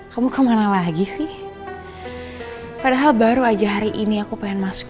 kamu gak usah buru buru minta pulang